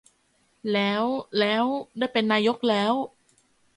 แล้ว แล้ว ได้เป็นนายกแล้ว